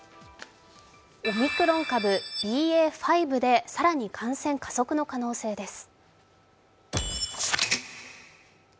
オミクロン株ＢＡ．５で更に感染加速の可能性です。